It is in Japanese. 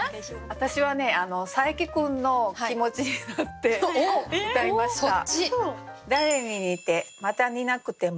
私はねサエキ君の気持ちになってうたいました。